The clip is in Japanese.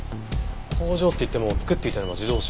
工場っていっても作っていたのは自動車。